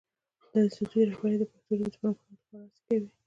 د انسټیټوت رهبري د پښتو ژبې د پرمختګ لپاره هڅې کوي.